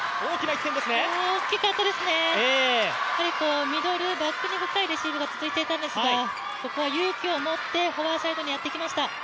大きかったですね、ミドル、バックに深いレシーブが続いていたんですがそこは勇気を持って、フォアサイドにやってきました。